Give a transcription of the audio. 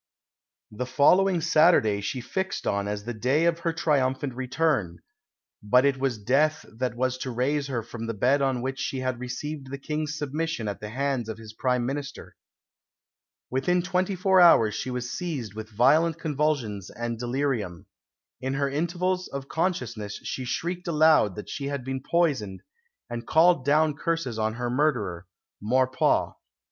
The following Saturday she fixed on as the day of her triumphant return "but it was death that was to raise her from the bed on which she had received the King's submission at the hands of his Prime Minister." Within twenty four hours she was seized with violent convulsions and delirium. In her intervals of consciousness she shrieked aloud that she had been poisoned, and called down curses on her murderer Maurepas.